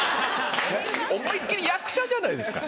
思いっ切り役者じゃないですか。